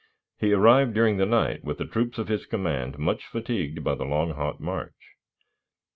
He arrived during the night, with the troops of his command much fatigued by the long, hot march.